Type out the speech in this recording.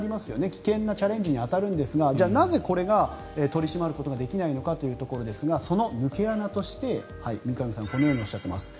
危険なチャレンジに当たるんですがじゃあ、なぜこれが取り締まることができないのかということですがその抜け穴として三上さんはこのようにおっしゃっています。